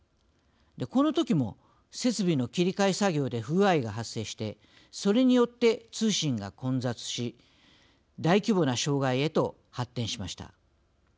このときも設備の切り替え作業で不具合が発生してそれによって通信が混雑し大規模な障害へと発展しました。